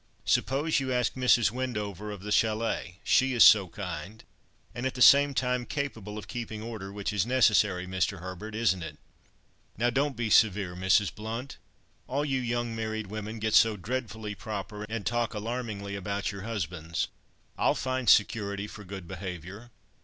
Suppose you ask Mrs. Wendover, of the Châlet, she is so kind, and, at the same time, capable of keeping order, which is necessary, Mr. Herbert, isn't it?" "Now, don't be severe, Mrs. Blount! All you young married women get so dreadfully proper, and talk alarmingly about your husbands. I'll find security for good behaviour."